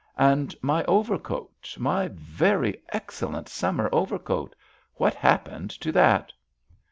"And my overcoat—my very excellent summer overcoat—what happened to that?"